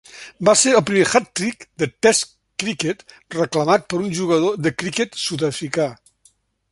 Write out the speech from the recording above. Va ser el primer hat-trick de Test cricket reclamat per un jugador de cricket sudafricà.